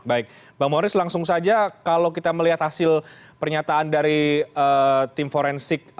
baik bang moris langsung saja kalau kita melihat hasil pernyataan dari tim forensik